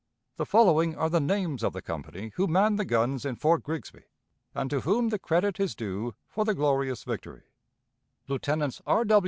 "The following are the names of the company who manned the guns in Fort Grigsby, and to whom the credit is due for the glorious victory: "Lieutenants R.